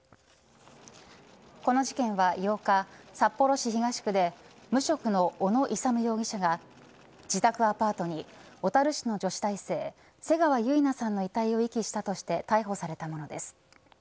この事件は８日、札幌市東区で無職の小野勇容疑者が自宅アパートに小樽市の女子大生瀬川結菜さんの遺体を遺棄として逮捕されたものです。